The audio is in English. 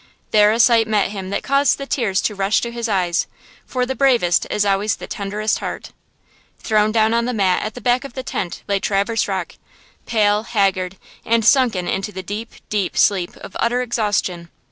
There a sight met him that caused the tears to rush to his eyes–for the bravest is always the tenderest heart. Thrown down on the mat at the back of the tent lay Traverse Rocke, pale, haggard and sunken in the deep, deep sleep of utter exhaustion.